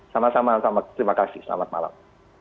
sama sama terima kasih selamat malam